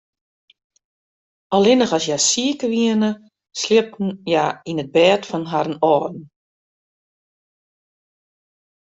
Allinnich as hja siik wiene, sliepten hja yn it bêd fan harren âlden.